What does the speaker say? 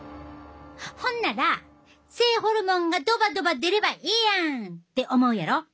ほんなら性ホルモンがドバドバ出ればええやんって思うやろ？